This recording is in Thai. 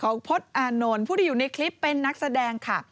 พจน์อานนท์ผู้ที่อยู่ในคลิปเป็นนักแสดงค่ะ